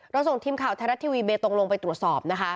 ส่งทีมข่าวไทยรัฐทีวีเบตงลงไปตรวจสอบนะคะ